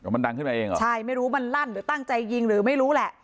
มันดังขึ้นมาเองเหรอใช่ไม่รู้มันลั่นหรือตั้งใจยิงหรือไม่รู้แหละ